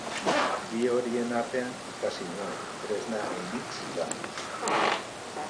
Bi horien artean, ikasi nuen, tresna ainitz landuz.